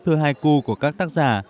thơ haiku của các tác giả